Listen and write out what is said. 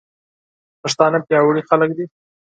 پښتانه پياوړي خلک دي.